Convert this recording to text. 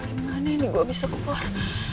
aduh gimana nih gue bisa keluar